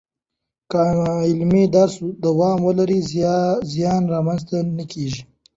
که عملي درس دوام ولري، زیان را منځ ته کیږي.